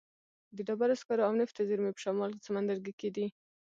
د ډبرو سکرو او نفتو زیرمې په شمال سمندرګي کې دي.